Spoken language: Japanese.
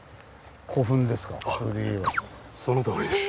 そのとおりです。